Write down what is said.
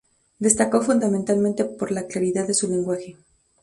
Destacó fundamentalmente por la claridad de su lenguaje.